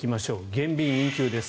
減便・運休です。